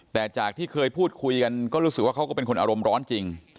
แต่จากที่เคยพูดคุยกันก็รู้สึกว่าเขาก็เป็นคนอารมณ์ร้อนจริง